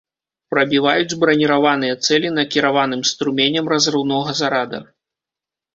Прабіваюць браніраваныя цэлі накіраваным струменем разрыўнога зарада.